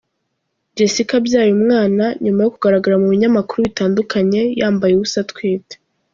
Jessica abyaye uyu mwana, nyuma yo kugaragara mu binyamakuru bitandukanye, yambaye ubusa atwite.